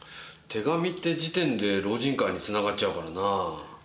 手紙って時点で老人会につながっちゃうからな。